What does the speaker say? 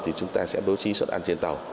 thì chúng ta sẽ đối chi xuất ăn trên tàu